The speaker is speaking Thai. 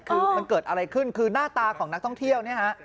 คือมันเกิดอะไรขึ้นคือหน้าตาของนักท่องเที่ยวเนี่ยฮะ